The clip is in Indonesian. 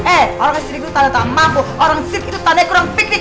eh orang sidik itu tanda sama aku orang sidik itu tanda kurang piknik